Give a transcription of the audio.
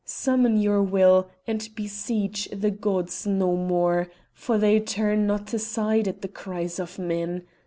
Summon your will, and beseech the gods no more, for they turn not aside at the cries of men!